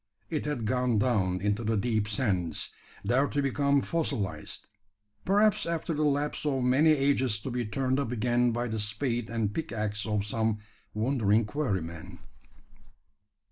It had gone down into the deep sands, there to become fossilised perhaps after the lapse of many ages to be turned up again by the spade and pick axe of some wondering quarry man.